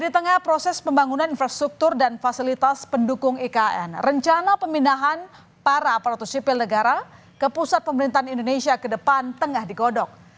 di tengah proses pembangunan infrastruktur dan fasilitas pendukung ikn rencana pemindahan para aparatur sipil negara ke pusat pemerintahan indonesia ke depan tengah digodok